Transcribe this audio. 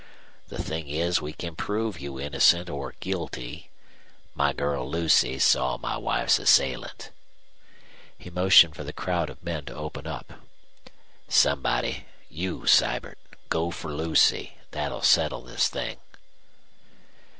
The thing is we can prove you innocent or guilty. My girl Lucy saw my wife's assailant." He motioned for the crowd of men to open up. "Somebody you, Sibert go for Lucy. That'll settle this thing."